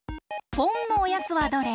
ポンのおやつはどれ？